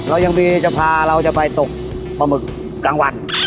เรายังมีจะพาเราจะไปตกปลาหมึกกลางวัน